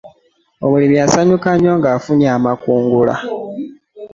Omulimi asanyuka nnyo nga afunye amakungula.